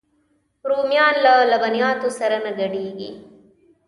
رومیان له لبنیاتو سره نه ګډېږي